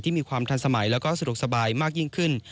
มีความทันสมัยแล้วก็สะดวกสบายมากยิ่งขึ้น